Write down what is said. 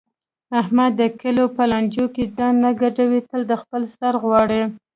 احمد د کلیوالو په لانجو کې ځان نه ګډوي تل د خپل سر غواړي.